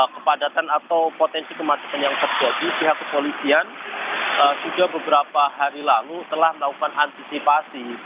kepadatan atau potensi kemacetan yang terjadi pihak kepolisian sudah beberapa hari lalu telah melakukan antisipasi